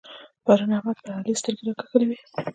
پرون احمد پر علي سترګې راکښلې وې.